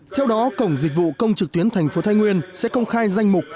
theo đó cổng dịch vụ công trực tuyến thành phố thái nguyên sẽ công khai danh mục